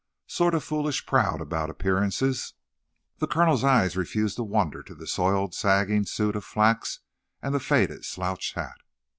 "Sort of foolish proud about appearances?" The colonel's eyes refused to wander to the soiled, sagging suit of flax and the faded slouch hat.